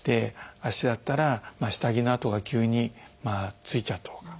足だったら下着の跡が急についちゃうとか